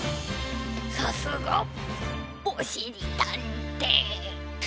さすがおしりたんていさん。